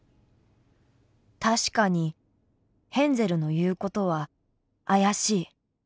確かにヘンゼルの言う事は怪しい。